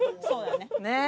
そうだね。